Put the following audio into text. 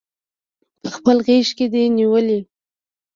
پخپل غیږ کې دی نیولي